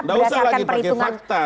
tidak usah lagi pakai fakta